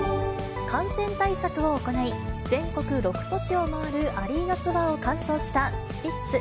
感染対策を行い、全国６都市を回るアリーナツアーを完走したスピッツ。